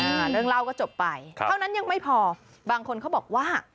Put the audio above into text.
เรื่องเล่าก็จบไปครับเท่านั้นยังไม่พอบางคนเขาบอกว่า